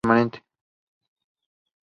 ¡ Uau! ¡ también con tinta permanente!